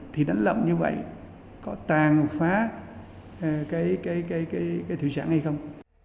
thì đánh lộng như vậy có tàn phá cái thủy sản hay không